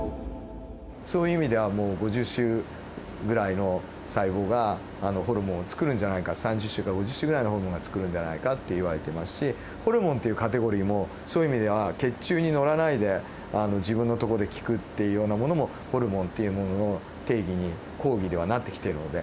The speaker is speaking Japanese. そういう意味ではもう５０種ぐらいの細胞がホルモンをつくるんじゃないか３０種から５０種ぐらいのホルモンがつくるんではないかといわれてますしホルモンっていうカテゴリーもそういう意味では血中に乗らないで自分のとこで効くっていうようなものもホルモンっていうものの定義に広義ではなってきてるので。